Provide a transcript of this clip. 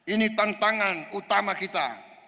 ini tantangan utama kita